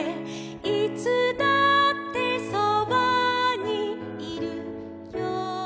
「いつだってそばにいるよ」